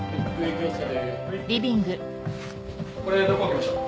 これどこ置きましょう？